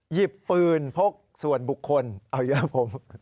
หยิบปืนพกส่วนบุคคลเอายาผม